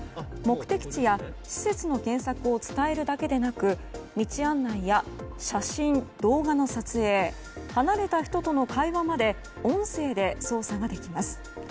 目的地や施設の検索を伝えるだけでなく道案内や写真・動画の撮影離れた人との会話まで音声で操作ができます。